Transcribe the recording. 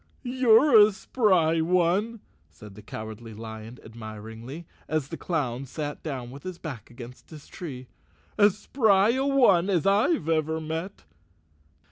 "You're a spry one," said the Cowardly Lion admir¬ ingly, as the clown sat down with his back against a tree, " as spry a one as I've ever met."